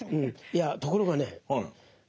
いやところがね